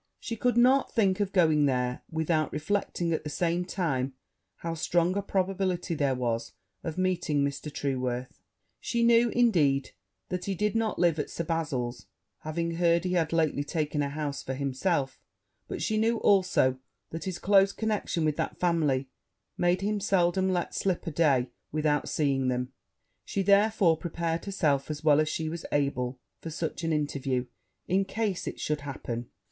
She could not think of going there without reflecting at the same time how strong a probability there was of meeting Mr. Trueworth; she knew, indeed, that he did not live at Sir Bazil's, having heard he had lately taken a house for himself; but she knew also, that his close connection with that family made him seldom let slip a day without seeing them; she therefore prepared herself as well as she was able for such an interview, in case it should so happen.